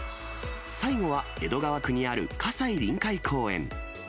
最後は江戸川区にある葛西臨海公園。